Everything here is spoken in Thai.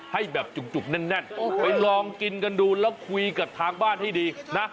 ให้แบบจุกแน่นไปลองกินกันดูแล้วคุยกับทางบ้านให้ดีนะ